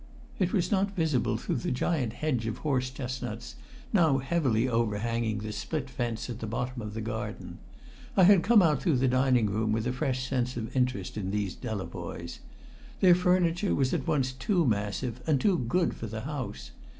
It was not visible through the giant hedge of horse chestnuts now heavily overhanging the split fence at the bottom of the garden. I had come out through the dining room with a fresh sense of interest in these Delavoyes. Their furniture was at once too massive and too good for the house.